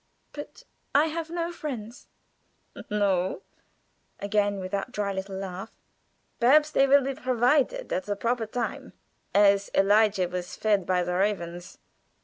"But I have no friends." "No," with again that dry little laugh. "Perhaps they will be provided at the proper time, as Elijah was fed by the ravens.